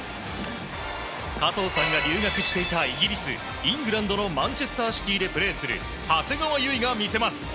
加藤さんが留学していたイギリス・イングランドのマンチェスター・シティでプレーする長谷川唯が魅せます。